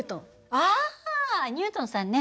あニュートンさんね。